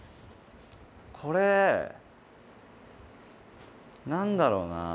これ何だろうな。